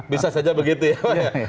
bisa saja begitu ya pak ya